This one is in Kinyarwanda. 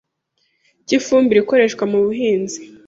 cy'ifumbire ikoreshwa mu buhinzi